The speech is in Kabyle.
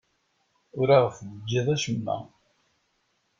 Ur aɣ-d-teǧǧiḍ acemma.